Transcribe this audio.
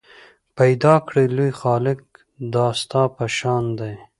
پیدا کړی لوی خالق دا ستا په شان دی